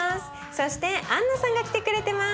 そしてアンナさんが来てくれてます。